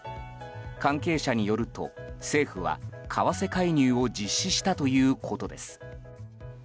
関係者によると政府は為替介入を実施したということです。